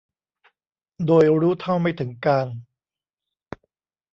โดยรู้เท่าไม่ถึงการณ์